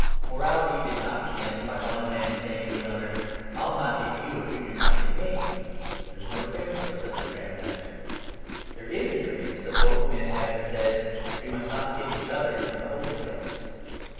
Morality did not begin by one man saying to another, "I will not hit you if you do not hit me"; there is no trace of such a transaction. There IS a trace of both men having said, "We must not hit each other in the holy place."